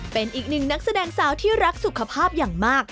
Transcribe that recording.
เป็นอีกหนึ่งนักแสดงสาวที่รักสุขภาพอย่างมาก